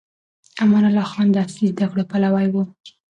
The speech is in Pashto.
امان الله خان د عصري زده کړو پلوي و.